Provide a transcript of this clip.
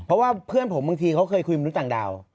เพราะว่าเพื่อนผมบางทีเขาเคยคุยมนุษย์ต่างดาว